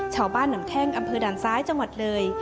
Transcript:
ชาวบ้านหนำแข้งอำเภอดานซ้ายจังหวัดเลย